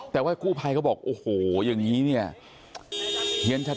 แต่ว่ากู้ภัยเขาบอกโอ้โหอย่างนี้เนี่ยเห็นชัด